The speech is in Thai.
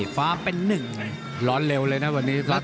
ฟ้าเป็นหนึ่งร้อนเร็วเลยนะวันนี้